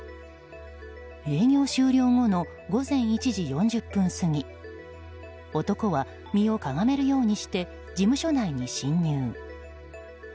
営業終了後の午前１時４０分過ぎ男は身をかがめるようにして事務所内に侵入。